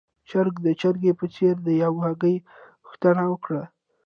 چرګ د چرګې په څېر د يوې هګۍ غوښتنه وکړه.